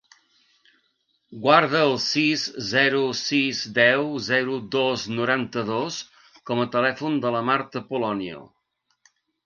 Guarda el sis, zero, sis, deu, zero, dos, noranta-dos com a telèfon de la Marta Polonio.